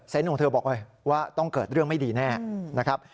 ของเธอบอกเลยว่าต้องเกิดเรื่องไม่ดีแน่นะครับ